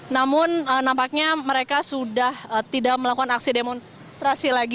namun nampaknya mereka sudah tidak melakukan aksi demonstrasi lagi